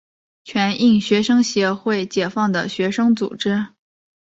全印学生协会解放的学生组织。